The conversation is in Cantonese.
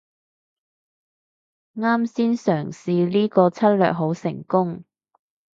啱先嘗試呢個策略好成功